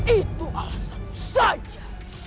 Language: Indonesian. itu alasanmu saja